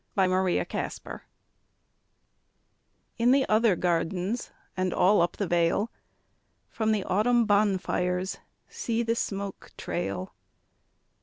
VI Autumn Fires In the other gardens And all up the vale, From the autumn bonfires See the smoke trail!